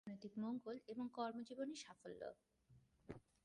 অর্থনৈতিক মঙ্গল এবং কর্মজীবনে সাফল্য।